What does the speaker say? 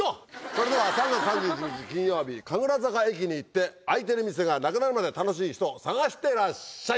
それでは３月３１日金曜日神楽坂駅に行って開いてる店がなくなるまで楽しい人を探してらっしゃい。